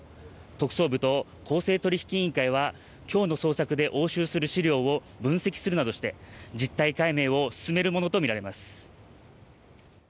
特捜部と公正取引委員会はきょうの捜索で押収する資料を分析するなどして実態解明を進めるものと見られます。